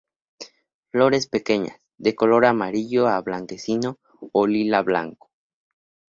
Flores pequeñas, de color amarillo a blanquecino o lila-blanco;.